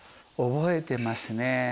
覚えてますね。